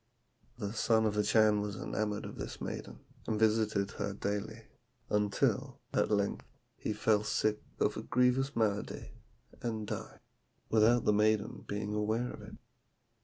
The son of the Chan was enamoured of this maiden, and visited her daily; until, at length, he fell sick of a grievous malady, and died, without the maiden being made aware of it.